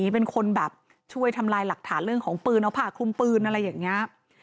เป็นคนแบบช่วยทำลายหลักฐานเรื่องของปืนเอาผ้าคลุมปืนอะไรอย่างนี้